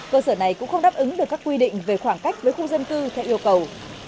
cơ sở này cũng không đáp ứng được các quy định về khoảng cách với khu dân cư theo yêu cầu